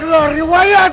kau akan menang